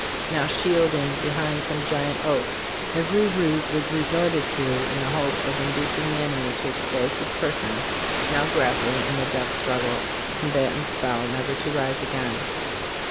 1 Now shielding behind some giant oak every ruse was resorted to in the hope of inducing the enemy to expose his person now grappling in a death struggle, the combatants fell never to rise again.